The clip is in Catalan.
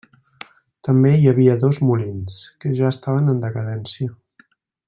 També hi havia dos molins, que ja estaven en decadència.